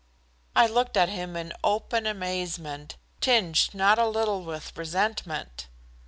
I looked at him in open amazement, tinged not a little with resentment.